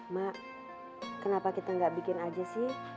mak kenapa kita nggak bikin aja sih